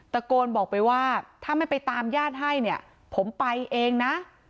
ตะโกนบอกไปว่าถ้าไม่ไปตามญาติให้เนี่ยผมไปเองนะ